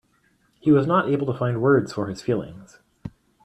He was not able to find words for his feelings.